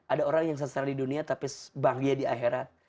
ada orang yang sesara di dunia tapi bahagia di akhirat